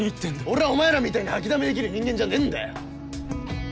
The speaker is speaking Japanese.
俺はお前らみたいに掃きだめで生きる人間じゃねえんだよ